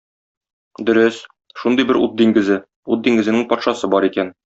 Дөрес, шундый бер ут диңгезе, ут диңгезенең патшасы бар икән.